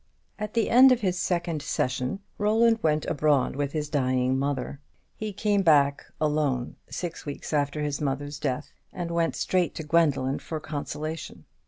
At the end of his second session Roland went abroad with his dying mother. He came back alone, six weeks after his mother's death, and went straight to Gwendoline for consolation.